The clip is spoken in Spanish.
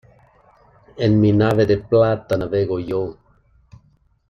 En mi nave de plata navego yo.